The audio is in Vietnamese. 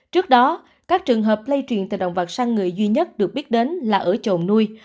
trước đó các trường hợp lây truyền từ động vật sang người duy nhất được biết đến là ở trộm nuôi